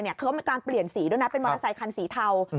เขามีการเปลี่ยนสีด้วยนะเป็นมอเตอร์ไซคันสีเทา